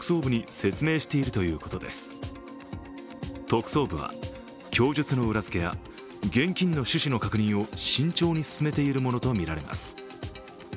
特捜部は供述の裏づけや現金の趣旨の確認を慎重に進めているものとみられます。